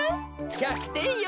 １００てんよ。